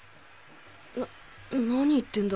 ななに言ってんだ？